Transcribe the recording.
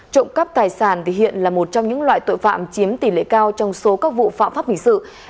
trộm cắp tài sản thì hiện là một trong những loại tội phạm chiếm tỷ lệ cao trong số các vụ phạm pháp hình sự